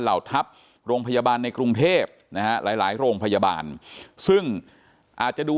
เหล่าทัพโรงพยาบาลในกรุงเทพนะฮะหลายหลายโรงพยาบาลซึ่งอาจจะดู